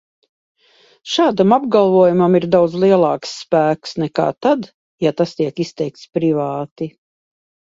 Šādam apgalvojumam ir daudz lielāks spēks nekā tad, ja tas tiek teikts privāti.